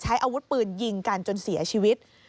อาวุธปืนยิงกันจนเสียชีวิต